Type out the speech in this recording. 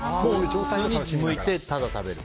普通にむいてただ食べる。